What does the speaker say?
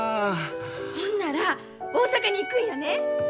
ほんなら大阪に行くんやね。